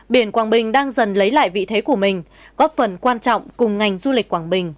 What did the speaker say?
biển quảng bình đang dần lấy lại vị thế của mình góp phần quan trọng cùng ngành du lịch quảng bình